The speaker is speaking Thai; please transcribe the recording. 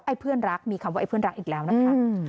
ไอ้เพื่อนรักมีคำว่าไอ้เพื่อนรักอีกแล้วนะครับอืม